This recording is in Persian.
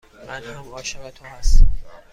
من هم عاشق تو هستم.